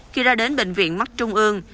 khi ra đến bệnh viện mắc trung ương